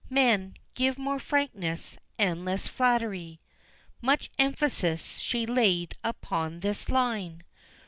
"Men, give more frankness and less flattery," Much emphasis she laid upon this line.